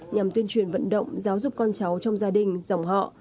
nhằm tuyên truyền vận động giáo dục con cháu trong gia đình dòng họ